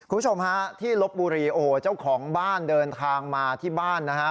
คุณผู้ชมฮะที่ลบบุรีโอ้โหเจ้าของบ้านเดินทางมาที่บ้านนะฮะ